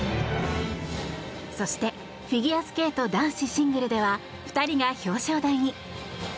そして、フィギュアスケート男子シングルでは２人が表彰台に。